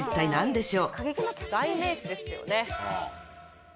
代名詞ですよね。